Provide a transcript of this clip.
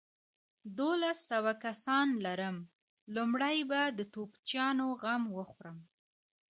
دوولس سوه کسان لرم، لومړۍ به د توپچيانو غم وخورو.